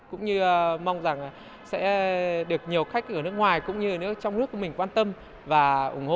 cũng như mong rằng sẽ được nhiều khách ở nước ngoài cũng như trong nước của mình quan tâm và ủng hộ